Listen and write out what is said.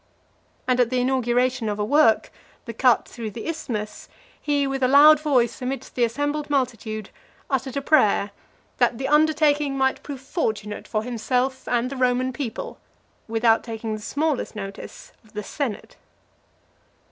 And at the inauguration of a work, the cut through the Isthmus , he, with a loud voice, amidst the assembled multitude, uttered a prayer, that "the undertaking might prove fortunate for himself and the Roman people," without taking the smallest notice of the senate.